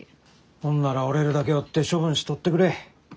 ほんならおれるだけおって処分しとってくれ。